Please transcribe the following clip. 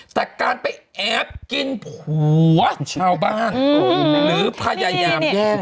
แต่การไปแอบกินผัวชาวบ้านหรือพยายามแย่ง